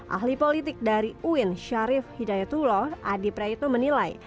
ahli politik dari uin syarif hidayatullah adipra itu menilai